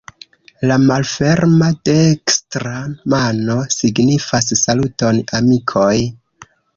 La malferma dekstra mano signifas "Saluton amikoj!